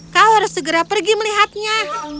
kau harus segera pergi melihatnya